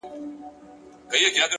هوښیار انسان له تجربې خزانه جوړوي,